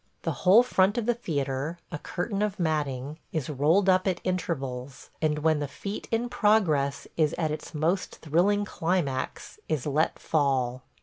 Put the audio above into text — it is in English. The whole front of the theatre, a curtain of matting, is rolled up at intervals and, when the feat in progress is at its most thrilling climax, is let fall.